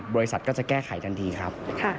บริษัทก็จะแก้ไขทันทีครับ